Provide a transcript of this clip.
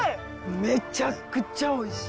めちゃくちゃおいしい。